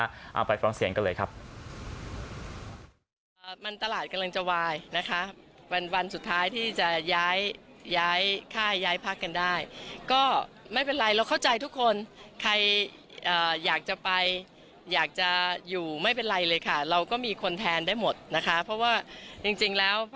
เอาไปฟังเสียงกันเลยครับ